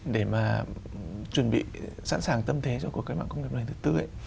để mà chuẩn bị sẵn sàng tâm thế cho cuộc cái mạng công nghiệp lần thứ tư